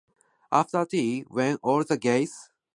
After tea, when all the gases were lighted, work went more briskly.